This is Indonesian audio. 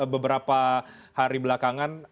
beberapa hari belakangan